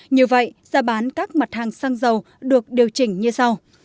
như vậy giá bán các mặt hàng xăng dầu được điều chỉnh như sau